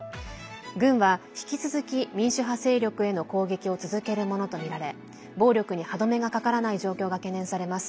軍は、引き続き民主派勢力への攻撃を続けるものとみられ暴力に歯止めがかからない状況が懸念されます。